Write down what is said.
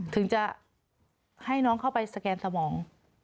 ถึงจะให้น้องเข้าไปสแกนสมอง